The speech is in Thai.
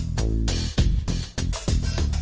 เมื่อกี้ก็ไม่มีเมื่อกี้